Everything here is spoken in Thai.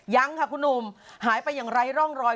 ยังค่ะคุณหนุ่มหายไปอย่างไร้ร่องรอย